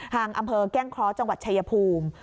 อำเภอแก้งเคราะห์จังหวัดชายภูมิ